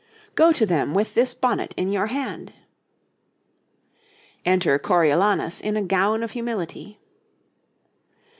'Go to them with this bonnet in your hand.' 'Enter Coriolanus in a gown of humility.'